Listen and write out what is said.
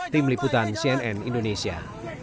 tim liputan cnn indonesia